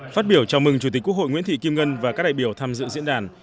phát biểu chào mừng chủ tịch quốc hội nguyễn thị kim ngân và các đại biểu tham dự diễn đàn